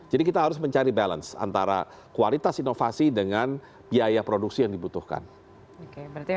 jadi kita harus mencari balance antara kualitas inovasi dengan biaya produksi yang diperlukan karena biayahomme menjadi yang terbelujung